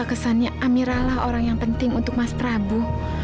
kesannya amiralah orang yang penting untuk mas prabu